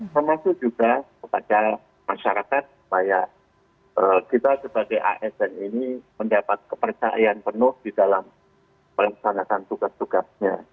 termasuk juga kepada masyarakat supaya kita sebagai asn ini mendapat kepercayaan penuh di dalam melaksanakan tugas tugasnya